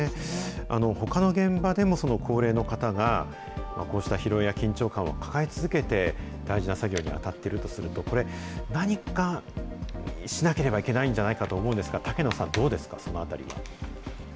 ほかの現場でも、その高齢の方が、こうした疲労や緊張感を抱え続けて、大事な作業に当たっているとすると、これ、何かしなければいけないんじゃないかと思うんですが、竹野さん、どうですか、そのあたりは。